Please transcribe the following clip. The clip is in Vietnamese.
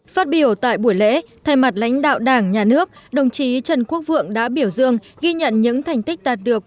phát biểu tại buổi lễ thay mặt lãnh đạo đảng nhà nước đồng chí trần quốc vượng đã biểu dương ghi nhận những thành tích đạt được